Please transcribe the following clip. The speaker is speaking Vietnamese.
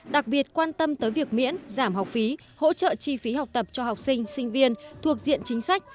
đặc biệt quan tâm tới việc miễn giảm học phí hỗ trợ chi phí học tập cho học sinh sinh viên thuộc diện chính sách